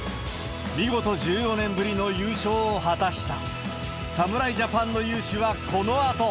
見事１４年ぶりの優勝を果たした。